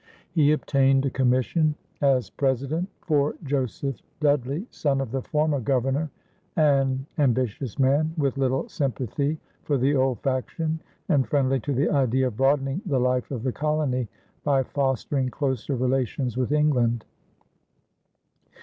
He obtained a commission as President for Joseph Dudley, son of the former Governor, an ambitious man, with little sympathy for the old faction and friendly to the idea of broadening the life of the colony by fostering closer relations with England.